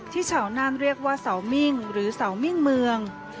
ชาวน่านเรียกว่าเสามิ่งหรือเสามิ่งเมือง